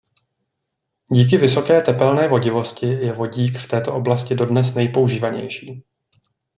Díky vysoké tepelné vodivosti je vodík v této oblasti dodnes nejpoužívanější.